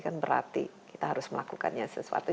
kan berarti kita harus melakukannya sesuatu